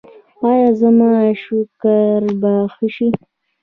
ایا زما شکر به ښه شي؟